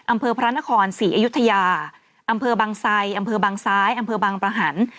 อำเภอพระนครศรีอยุธยาอำเภอบางไซอำเภอบางซ้ายอำเภอบังประหัน